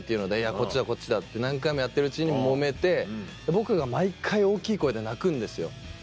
こっちだこっちだって何回もやってるうちにもめて僕が毎回大きい声で泣くんですよ。